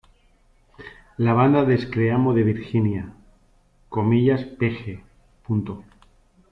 La banda de screamo de Virginia "Pg.